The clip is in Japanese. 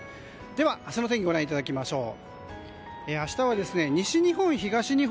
では、明日の天気ご覧いただきましょう。